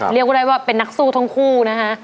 เรียกว่าได้ว่าเป็นนักสู้ทั้งคู่นะฮะ